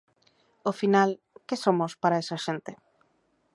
Ao final, que somos para esa xente?